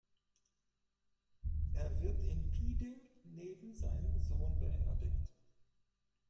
Er wird in Piding neben seinem Sohn beerdigt.